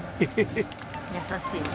優しいよね。